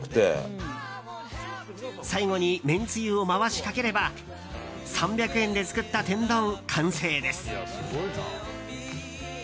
最後にめんつゆを回しかければ３００円で作った天丼、完成です。